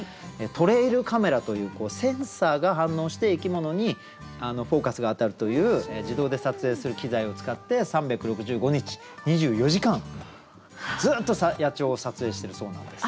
トレイルカメラというセンサーが反応して生き物にフォーカスが当たるという自動で撮影する機材を使って３６５日２４時間ずっと野鳥を撮影しているそうなんです。